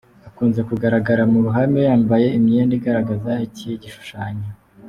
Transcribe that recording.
Akunze kugaragara mu ruhame yambaye imyenda igaragaza iki gishushanyo.